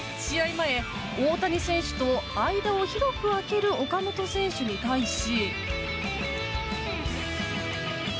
前、大谷選手と間を広く空ける岡本選手に対し。